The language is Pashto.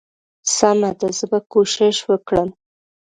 سمه ده زه به کوشش وکړم.